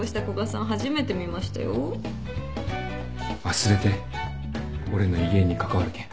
忘れて俺の威厳に関わるけん。